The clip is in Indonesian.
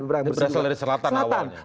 berasal dari selatan awalnya